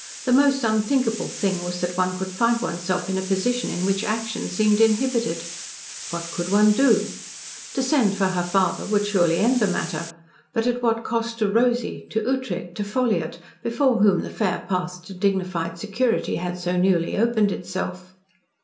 The most unthinkable thing was that one could find one's self in a position in which action seemed inhibited. What could one do? To send for her father would surely end the matter but at what cost to Rosy, to Ughtred, to Ffolliott, before whom the fair path to dignified security had so newly opened itself?